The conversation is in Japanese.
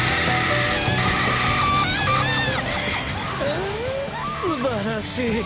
うんすばらしい！